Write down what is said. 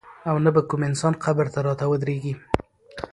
او نه به کوم انسان قبر ته راته ودرېږي.